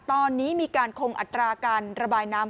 ตอนนี้มีการคงอัตราการระบายน้ำ